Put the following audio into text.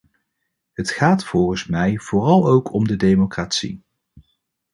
Het gaat volgens mij vooral ook om democratie.